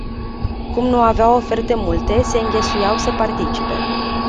Cum nu aveau oferte multe, se înghesuiau să participe.